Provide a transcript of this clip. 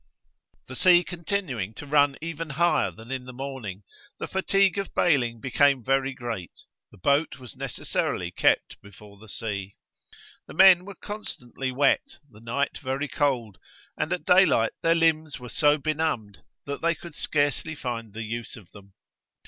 The sea continuing to run even higher than in the morning, the fatigue of baling became very great; the boat was necessarily kept before the sea. The men were constantly wet, the night very cold, and at daylight their limbs were so benumbed, that they could scarcely find the use of them.